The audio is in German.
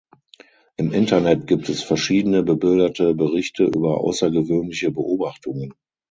Im Internet gibt es verschiedene bebilderte Berichte über außergewöhnliche Beobachtungen.